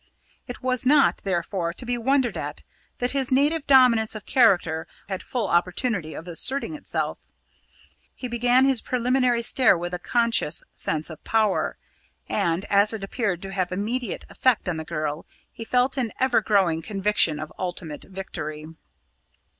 It was not, therefore, to be wondered at that his native dominance of character had full opportunity of asserting itself. He began his preliminary stare with a conscious sense of power, and, as it appeared to have immediate effect on the girl, he felt an ever growing conviction of ultimate victory.